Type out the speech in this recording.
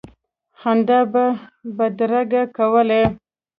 خندا به بدرګه کولې.